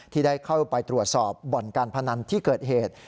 ที่ได้เข้าไปตรวจสอบบ่อนการพนันที่เกิดเหตุ